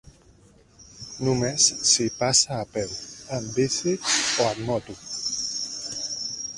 Només s'hi passa a peu, en bici o en moto.